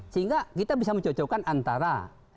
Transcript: sehingga kita bisa mencocokkan antara